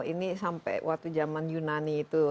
ini sampai waktu zaman yunani itu